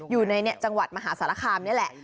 อยู่ในจังหวัดมหาสารคามนี่แหละ